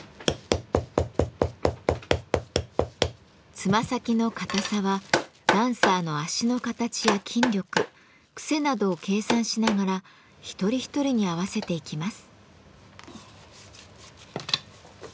つま先の硬さはダンサーの足の形や筋力癖などを計算しながら一人一人に合わせていきます。